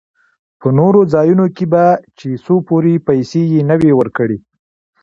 په نورو ځايو کښې به چې څو پورې پيسې يې نه وې ورکړې.